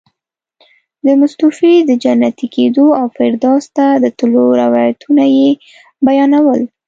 د متوفي د جنتي کېدو او فردوس ته د تلو روایتونه یې بیانول.